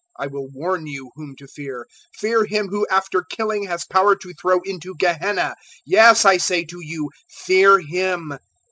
012:005 I will warn you whom to fear: fear him who after killing has power to throw into Gehenna: yes, I say to you, fear him.